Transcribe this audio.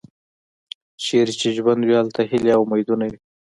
چیرته چې ژوند وي هلته هیلې او امیدونه وي.